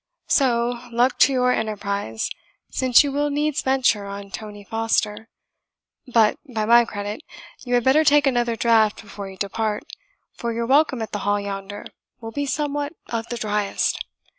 So, luck to your enterprise, since you will needs venture on Tony Foster; but, by my credit, you had better take another draught before you depart, for your welcome at the Hall yonder will be somewhat of the driest.